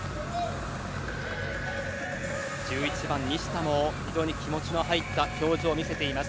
１１番、西田も非常に気持ちの入った表情を見せています。